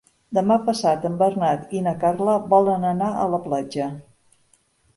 Demà passat en Bernat i na Carla volen anar a la platja.